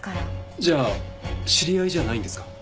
じゃあ知り合いじゃないんですか？